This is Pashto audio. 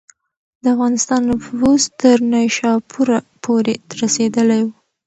د افغانستان نفوذ تر نیشاپوره پورې رسېدلی و.